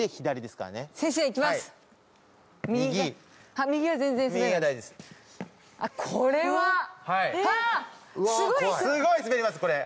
すごい滑りますこれ。